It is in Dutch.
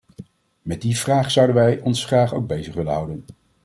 Met die vraag zouden wij ons graag bezig willen houden.